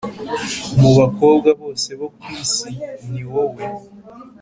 mu bakobwa bose bo ku isi ni wowe ,